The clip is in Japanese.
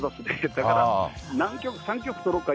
だから何曲、３曲とろうか？